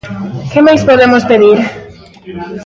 Que máis podemos pedir?